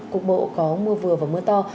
cục bộ có mưa vừa và mưa to